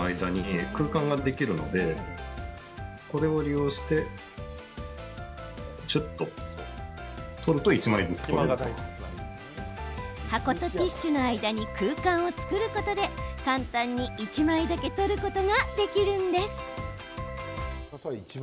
開けたあとに指でちょっとしゅっと取ると箱とティッシュの間に空間を作ることで、簡単に１枚だけ取ることができるんです。